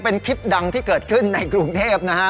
เป็นคลิปดังที่เกิดขึ้นในกรุงเทพนะฮะ